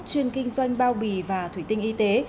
chuyên kinh doanh bao bì và thủy tinh y tế